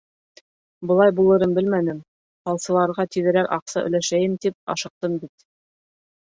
Былай булырын белмәнем, һалсыларға тиҙерәк аҡса өләшәйем тип, ашыҡтым бит...